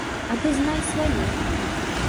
А ты знай сваё.